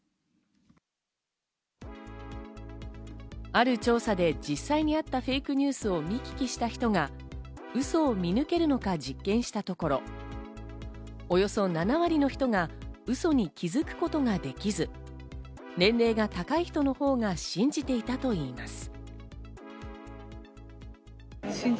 ある調査で実際にあったフェイクニュースを見聞きした人がうそを見抜けるのか実験したところ、およそ７割の人がうそに気づくことができず年齢が高い人のほうが信じていたといいます。